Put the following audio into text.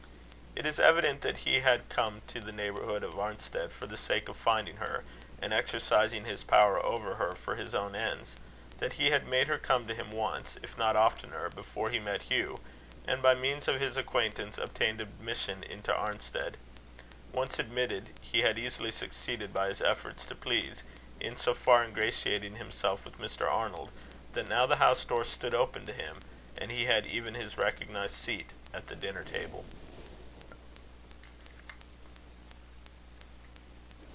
It is evident that he had come to the neighbourhood of Arnstead for the sake of finding her, and exercising his power over her for his own ends; that he had made her come to him once, if not oftener, before he met Hugh, and by means of his acquaintance, obtained admission into Arnstead. Once admitted, he had easily succeeded, by his efforts to please, in so far ingratiating himself with Mr. Arnold, that now the house door stood open to him, and he had even his recognised seat at the dinner table.